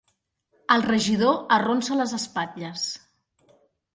El regidor arronsa les espatlles.